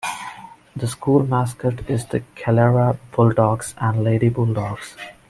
The school mascot is the Calera Bulldogs and Lady Bulldogs.